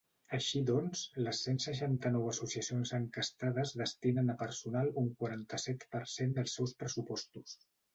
Així doncs, les cent seixanta-nou associacions enquestades destinen a personal un quaranta-set per cent dels seus pressupostos.